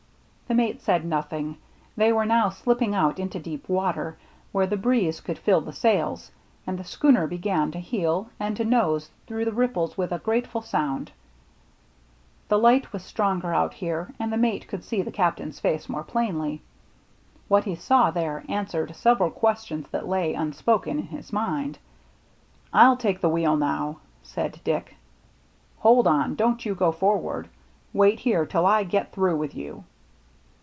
The mate said nothing. They were now slipping out into deep water, where the breeze could fill the sails, and the schooner began to heel and to nose through the ripples with a grateful sound. The light was stronger out 134 THE MERRT ANNE here, and the mate could see the Captain's face more plainly. What he saw there answered several questions that lay, unspoken, in his mind. " rU take the wheel now," said Dick. " Hold on, don't you go forward. Wait here till I get through with you."